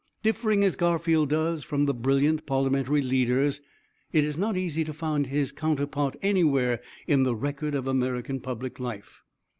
"Differing as Garfield does, from the brilliant parliamentary leaders, it is not easy to find his counterpart anywhere in the record of American public life.